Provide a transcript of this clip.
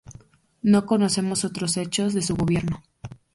No conocemos otros hechos de su gobierno.